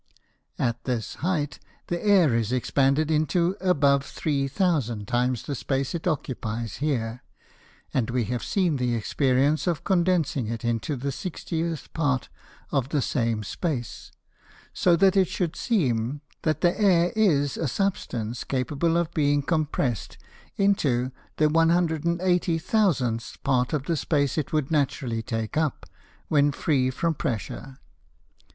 At this height the Air is expanded into above 3000 times the space it occupies here, and we have seen the Experience of condensing it into the 60th part of the same Space, so that it should seem, that the Air is a Substance capable of being compressed into the 180000th part of the Space it would naturally take up, when free from pressure.